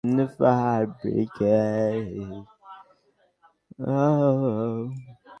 আহত অবস্থায় তাঁকে সুনামগঞ্জ সদর হাসপাতালে নেওয়ার পথে তিনি মারা যান।